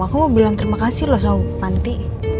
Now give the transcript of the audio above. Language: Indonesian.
aku mau bilang terima kasih loh sama panti